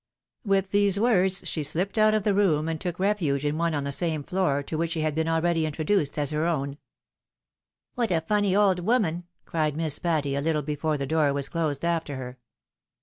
' With these words she shpped out of the room, and took refuge in one on the same floor, to which she had been already introduced as her own. ASSTTRANCE OF GENTILITY. 149 "What a fanny old woman! "cried Miss Patty, a little before the door was closed after her.